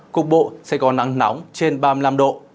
cục bộ sẽ có nắng nóng trên ba mươi năm độ